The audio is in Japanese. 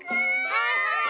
はいはい！